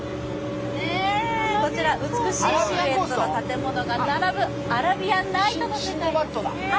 こちら美しい建物が並ぶアラビアン・ナイトの世界です。